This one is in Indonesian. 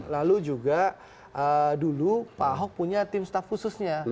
lalu juga dulu pak ahok punya tim staff khususnya